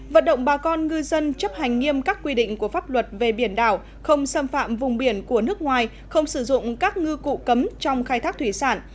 vận động bà con ngư dân chấp hành nghiêm các quy định của pháp luật về biển đảo không xâm phạm vùng biển của nước ngoài không sử dụng các ngư cụ cấm trong khai thác thủy sản